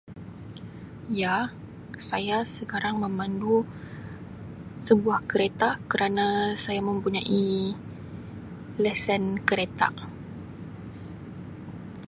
Ya saya sekarang memandu sebuah kereta kerana saya mempunyai lesen kereta.